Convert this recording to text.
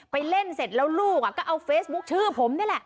ไปเล่นเสร็จแล้วลูกก็เอาเฟซบุ๊คชื่อผมนี่แหละ